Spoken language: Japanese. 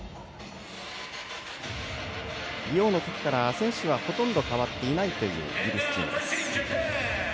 リオのときから選手はほとんど変わっていないというイギリスチームです。